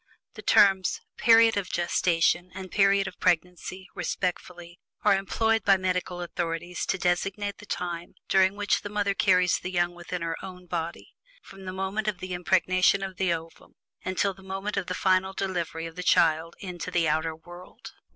The terms "period of gestation," and "period of pregnancy," respectively, are employed by medical authorities to designate the time during which the mother carries the young within her own body from the moment of the impregnation of the ovum until the moment of the final delivery of the child into the outer world.